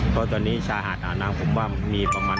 เพราะตอนนี้ชายหาดอ่าวน้ำผมว่ามีประมาณ